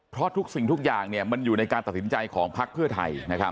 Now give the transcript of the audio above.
เพราะทุกสิ่งทุกอย่างมันอยู่ในการตัดสินใจของพักเพื่อไทย